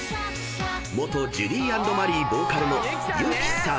［元ＪＵＤＹＡＮＤＭＡＲＹボーカルのＹＵＫＩさん］